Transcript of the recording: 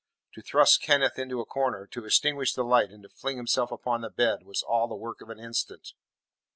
To thrust Kenneth into a corner, to extinguish the light, and to fling himself upon the bed was all the work of an instant.